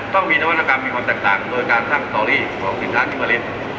ต้องมีนวรรณกรรมมีความแตคต่างด้วยการทำตรีพวกสินค้าที่ผลิต